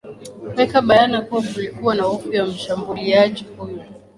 weka bayana kuwa kulikuwa na hofu ya mshambuliaji huyo